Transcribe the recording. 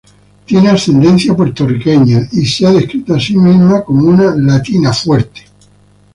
Tiene ascendencia puertorriqueña y se ha descrito a sí misma como una "Latina fuerte".